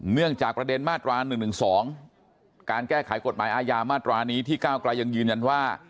เนื่องจากประเด็นมาตรา๑๑๒การแก้ไขกฎหมายอาญามาตรานี้ที่ก้าวกลายยังยืนยันว่า